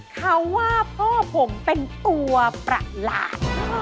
เขาว่าพ่อผมเป็นตัวประหลาด